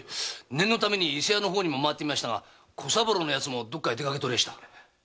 念のために伊勢屋の方にも回ってみましたが小三郎の奴もどっかに出かけておりました。